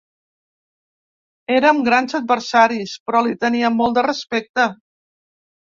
Érem grans adversaris, però li tenia molt de respecte.